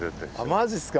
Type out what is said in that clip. マジっすか。